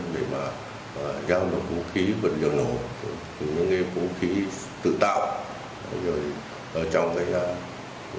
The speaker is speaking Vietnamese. đem vũ khí vật liệu nổ cho cơ quan chức năng cho công an xã